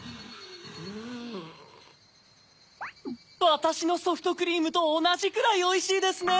わたしのソフトクリームとおなじくらいおいしいですね！